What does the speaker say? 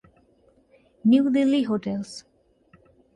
New Delhi hotels.